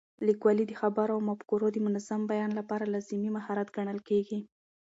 لیکوالی د خبرو او مفکورو د منظم بیان لپاره لازمي مهارت ګڼل کېږي.